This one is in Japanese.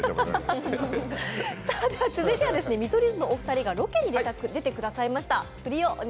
続いては見取り図のお二人がロケに出てくださいました。